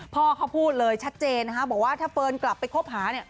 พ่อเขาพูดเลยชัดเจนบอกว่าถ้าเฟิร์นกลับไปคบหา